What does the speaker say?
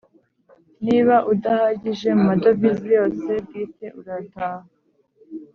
Niba udahagije mu madovize yose bwite urataha.